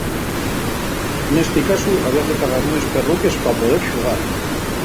Nesti casu había que pagar unes perruques pa poder xugar.